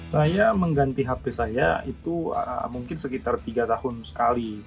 saya mengganti hp saya itu mungkin sekitar tiga tahun sekali